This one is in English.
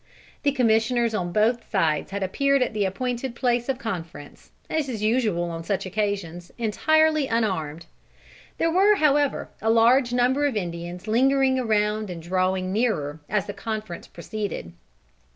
The commissioners on both sides had appeared at the appointed place of conference, as is usual on such occasions, entirely unarmed. There were, however, a large number of Indians lingering around and drawing nearer as the conference proceeded.